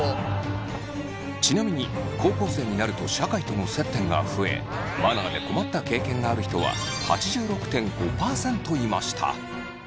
ちなみに高校生になると社会との接点が増えマナーで困った経験がある人は８６．５％いました。